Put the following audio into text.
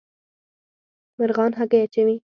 مرغان هګۍ اچوي